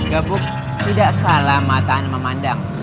gabuk tidak salah mataan memandang